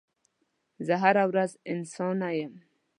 زه هره ورځ انسانه یم